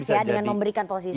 ya dengan memberikan posisi